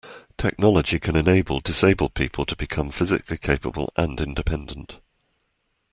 Technology can enable disabled people to become physically capable and independent.